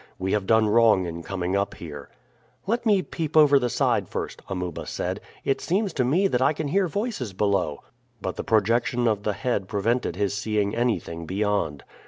"We have done wrong in coming up here." "Let me peep over the side first," Amuba said. "It seems to me that I can hear voices below." But the projection of the head prevented his seeing anything beyond.